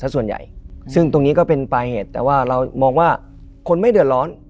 ส่วนใหญ่ซึ่งตรงนี้ก็เป็นปลายเหตุแต่ว่าเรามองว่าคนไม่เดือดร้อน